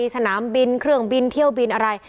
สนามบินเครื่องบินเที่ยวบินอะไร